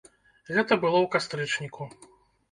Гэта было ў кастрычніку.